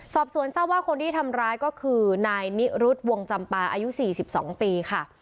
สอบสวนทราบว่าคนที่ทำร้ายก็คือนายนิรุธวงจำปาอายุ๔๒ปีค่ะ